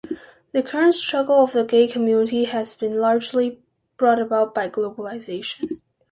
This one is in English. The current struggle of the gay community has been largely brought about by globalization.